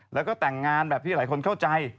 แล้วก็แต่งงานแบบที่หลายคนเข้าใจ